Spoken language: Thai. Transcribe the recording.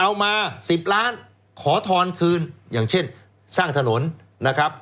เอามา๑๐ล้านขอทอนคืนอย่างเช่นสร้างถนนนะครับ